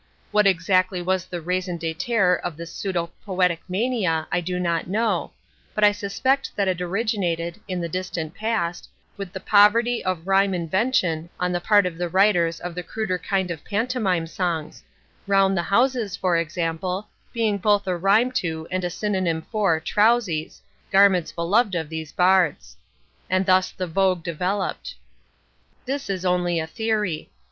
What exactly was the raison d'être of this pseudo poetic mania I do not know, but I suspect that it originated, in the distant past, with the poverty of rhyme invention on the part of the writers of the cruder kind of pantomime songs "round the houses," for example, being both a rhyme to and a synonym for "trousies" (garments beloved of those bards!) and thus the vogue developed. This is only a theory.